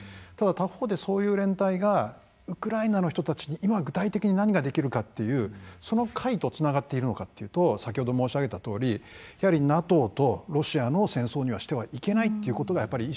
ただ他方でそういう連帯がウクライナの人たちに今、具体的に何ができるかというその解とつながっているのかというと先ほど申し上げたとおりＮＡＴＯとロシアの戦争にしてはいけないということ。